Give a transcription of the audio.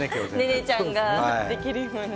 ネネちゃんができるように。